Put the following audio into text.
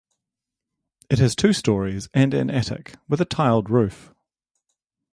It has two storeys and an attic, with a tiled roof.